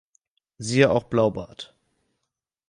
Siehe auch Blaubart